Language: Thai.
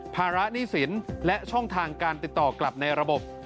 ภาระหนี้สินและช่องทางการติดต่อกลับในระบบ